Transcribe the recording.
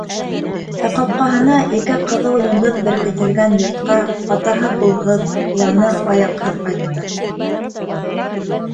Ә ҡапҡаһына ике ҡыҙыл йондоҙ беркетелгән йортҡа атаһы ҡулһыҙ, уланы аяҡһыҙ ҡайтты.